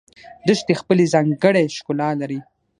دښتې خپل ځانګړی ښکلا لري